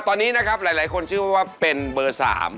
ตอนนี้นะครับหลายคนเชื่อว่าเป็นเบอร์๓